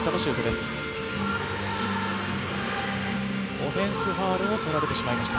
オフェンスファウルをとられてしまいました。